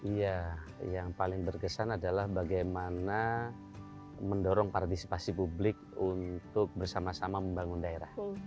iya yang paling berkesan adalah bagaimana mendorong partisipasi publik untuk bersama sama membangun daerah